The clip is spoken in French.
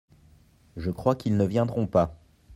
Je crois qu’ils ne viendront pas.